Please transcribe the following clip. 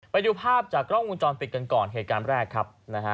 ไปดูภาพจากกล้องวงจรปิดกันก่อนเหตุการณ์แรกครับนะฮะ